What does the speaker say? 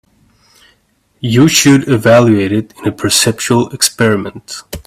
You should evaluate it in a perceptual experiment.